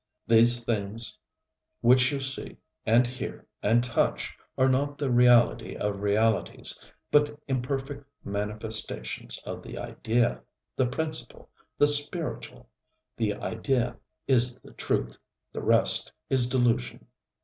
These things which you see and hear and touch are not the reality of realities, but imperfect manifestations of the Idea, the Principle, the Spiritual; the Idea is the truth, the rest is delusion.